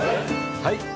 はい！